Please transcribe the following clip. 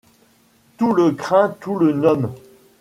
Tout le craint, tout le nomme.